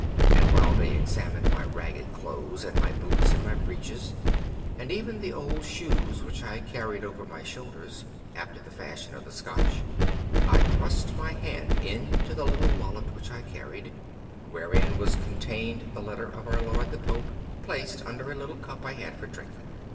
And while they examined my ragged clothes, and my boots, and my breeches, and even the old shoes which I carried over my shoulders, after the fashion of the Scotch, I thrust my hand into the little wallet which I carried, wherein was contained the letter of our lord the pope, placed under a little cup I had for drinking.